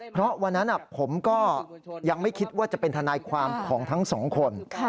เพราะวันนั้นผมก็ยังไม่คิดว่าจะเป็นทนายความของทั้งสองคน